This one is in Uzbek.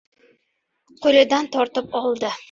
Qoʻlidan tortib oldi.